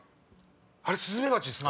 あれスズメバチっすか？